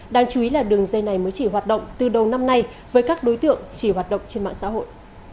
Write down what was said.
đáng chú ý là đường dây này mới chỉ hoạt động từ đầu năm nay với các đối tượng chỉ hoạt động trên mạng xã hội